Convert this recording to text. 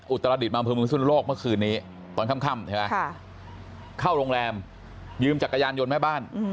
อุตรฤษฐรรมพื้นศูนย์โลกเมื่อคืนนี้ตอนค่ำเข้าโรงแรมยืมจักรยานยนต์ไว้บ้าน